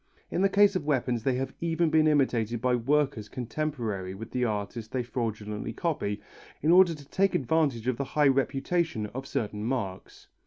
In the case of weapons they have even been imitated by workers contemporary with the artist they fraudently copy, in order to take advantage of the high reputation of certain marks.